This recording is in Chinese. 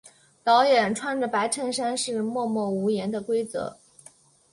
导演穿着白衬衫是默默无言的规则。